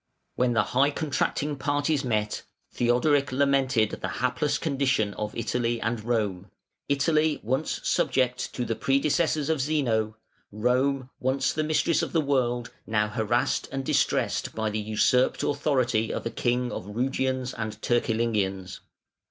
When the high contracting parties met, Theodoric lamented the hapless condition of Italy and Rome: Italy once subject to the predecessors of Zeno; Rome, once the mistress of the world, now harassed and distressed by the usurped authority of a king of Rugians and Turcilingians.